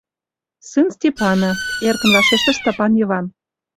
Сын Степана, — эркын вашештыш Стапан Йыван.